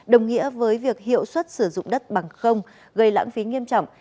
đồng nghĩa với việc hiệu suất sử dụng đất bằng không gây lãng phí nghiêm trọng